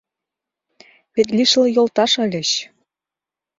Вет лишыл йолташ ыльыч.